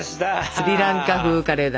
スリランカ風カレーだ。